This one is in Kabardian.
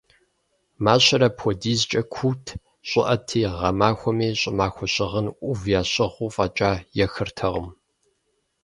Мащэр апхуэдизкӏэ куут, щӏыӏэти, гъэмахуэми щӏымахуэ щыгъын ӏув ящыгъыу фӏэкӏа ехыртэкъым.